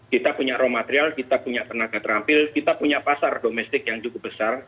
kita punya raw material kita punya tenaga terampil kita punya pasar domestik yang cukup besar